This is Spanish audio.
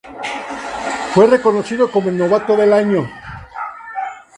Fue reconocido como el novato del año.